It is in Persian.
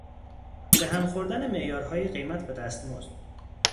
به هم خوردن معیارهای قیمت و دستمزد